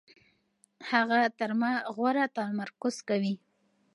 هغه تر ما غوره تمرکز کوي.